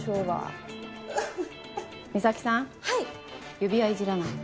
指輪いじらない。